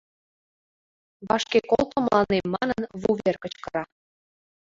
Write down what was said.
Вашке колто мыланем!» Манын, вувер кычкыра